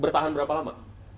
bertahan berapa lama